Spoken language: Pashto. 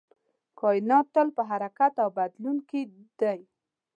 کائنات تل په حرکت او بدلون کې دی.